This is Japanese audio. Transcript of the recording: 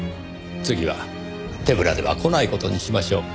次は手ぶらでは来ない事にしましょう。